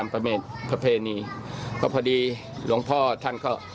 เพราะพอดีหลวงพ่อท่านเขา